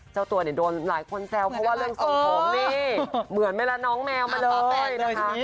เจ้าตัวเนี่ยโดนหลายคนแซวเพราะว่าเรื่องทรงผมนี่เหมือนเวลาน้องแมวมาเลยนะคะ